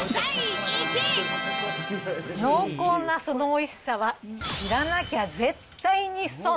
濃厚なそのおいしさは知らなきゃ絶対に損。